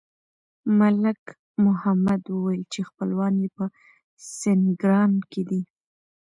ملک محمد وویل چې خپلوان یې په سینګران کې دي.